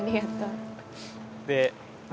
で